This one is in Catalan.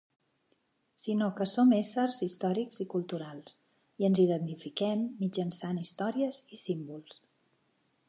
...sinó que som éssers històrics i culturals, i ens identifiquem mitjançant històries i símbols.